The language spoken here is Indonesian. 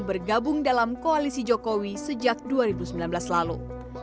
bergabung dalam koalisi jokowi sejak dua ribu sembilan belas lalu